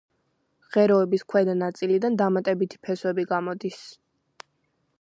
ღეროების ქვედა ნაწილიდან დამატებითი ფესვები გამოდის.